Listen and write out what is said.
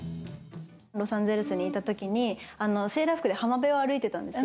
ロサンゼルスにいたときに、セーラー服で浜辺を歩いてたんですよ。